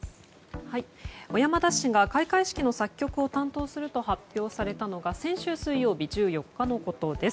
小山田氏が、開会式の作曲を担当すると発表されたのが先週水曜日、１４日のことです。